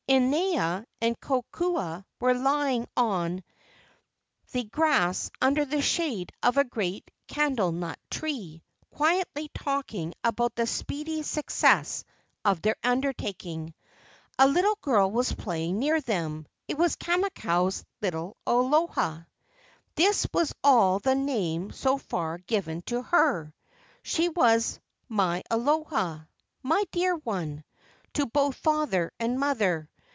Inaina and Kokua were lying on the 82 LEGENDS OF GHOSTS grass under the shade of a great candlenut tree, quietly talking about the speedy success of their undertaking. A little girl was playing near them. It was Kamakau's little Aloha. This was all the name so far given to her. She was "My Aloha," "my dear one," to both father and mother.